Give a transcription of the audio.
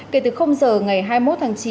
kể từ giờ ngày hai mươi một tháng chín